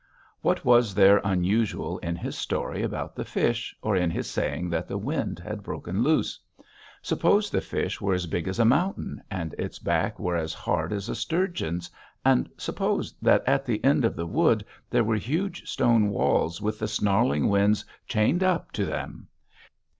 What was there unusual in his story about the fish or in his saying that the wind had broken loose? Suppose the fish were as big as a mountain and its back were as hard as a sturgeon's, and suppose that at the end of the wood there were huge stone walls with the snarling winds chained up to them....